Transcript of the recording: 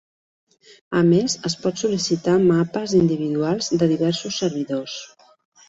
A més, es pot sol·licitar mapes individuals de diversos servidors.